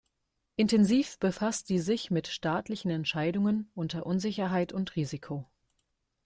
Intensiv befasst sie sich mit staatlichen Entscheidungen unter Unsicherheit und Risiko.